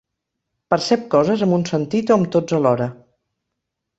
Percep coses amb un sentit o amb tots alhora.